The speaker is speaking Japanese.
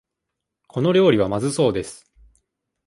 この料理はまずそうです。